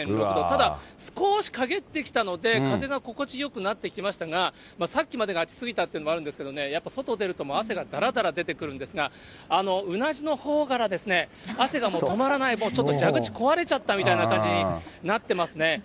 ただ、少し陰ってきたので、風が心地よくなってきましたが、さっきまでが暑すぎたっていうのもあるんですけれどもね、やっぱり外出ると、汗がだらだら出てくるんですが、うなじのほうから汗がもう止まらない、ちょっと蛇口壊れちゃったみたいな感じになってますね。